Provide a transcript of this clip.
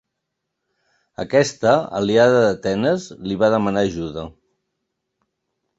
Aquesta, aliada d'Atenes, li va demanar ajuda.